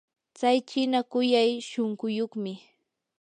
tsay chiina kuyay shunquyuqmi.